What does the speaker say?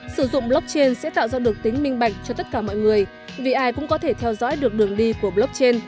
sử dụng blockchain sẽ tạo ra được tính minh bạch cho tất cả mọi người vì ai cũng có thể theo dõi được đường đi của blockchain